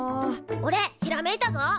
おれひらめいたぞ。